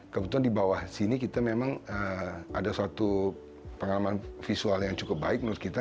kebetulan di bawah sini kita memang ada suatu pengalaman visual yang cukup baik menurut kita